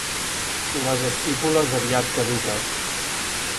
Les estípules aviat caduques.